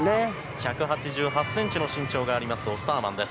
１８８ｃｍの身長があるオスターマンです。